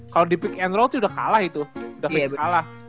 kalo di pick and roll tuh udah kalah itu udah kalah